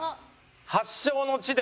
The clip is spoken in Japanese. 発祥の地で。